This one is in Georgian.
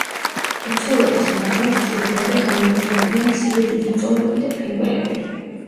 ოცელოტის ნადავლს ძირითადად მიეკუთვნებიან მცირე ძუძუმწოვრები და ფრინველები.